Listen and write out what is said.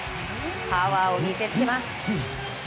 パワーを見せつけます。